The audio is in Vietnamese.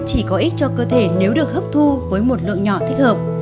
chỉ có ích cho cơ thể nếu được hấp thu với một lượng nhỏ thích hợp